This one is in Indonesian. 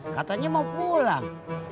katanya mau pulang